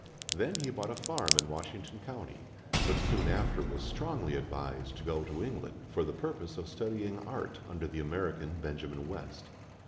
Then he bought a farm in Washington County; but soon after was strongly advised to go to England for the purpose of studying art under the American, Benjamin West.